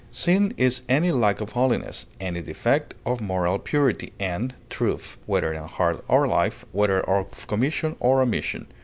Sin is any lack of holiness, any defect of moral purity and truth, whether in heart or life, whether of commission or omission.